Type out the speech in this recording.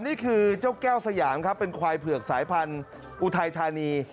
นี่คือเจ้าแก้วสยามครับเป็นควายเผือกสายพันธุ์อุทัยธานี